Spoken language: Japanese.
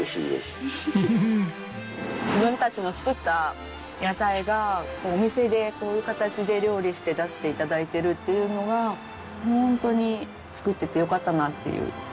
自分たちの作った野菜がお店でこういう形で料理して出して頂いてるっていうのがホントに作っててよかったなっていう。